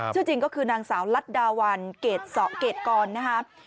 ชื่อจริงก็คือนางสาวลัดดาวัลเกรดเกรดกรณ์นะฮะ